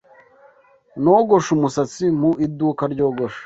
[S] Nogoshe umusatsi mu iduka ryogosha.